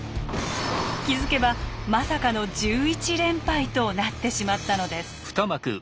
気付けばまさかの１１連敗となってしまったのです。